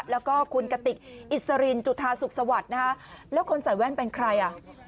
แล้วก็คุณกติกอิสรินจุธาสุขสวัสดิ์นะคะแล้วคนใส่แว่นเป็นใครอ่ะ